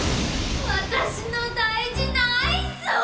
私の大事なアイスを！